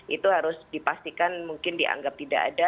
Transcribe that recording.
itu harus dipastikan mungkin dianggap tidak ada